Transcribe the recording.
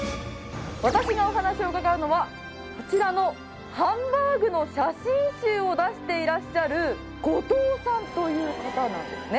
私がお話を伺うのはこちらのハンバーグの写真集を出していらっしゃる五島さんという方なんですね。